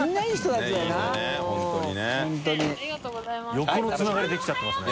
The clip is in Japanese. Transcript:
横のつながりできちゃってますね。